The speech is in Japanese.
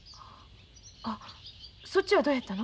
そっちはどうやったの？